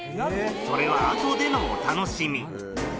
それは後でのお楽しみ。